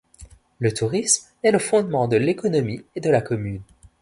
Le tourisme est le fondement de l'économie de la commune.